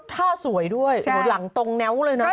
ถ้าสวยด้วยหลังตรงแนวเลยนะอุ๊น